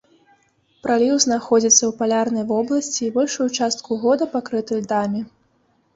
Праліў знаходзіцца ў палярнай вобласці і большую частку года пакрыты льдамі.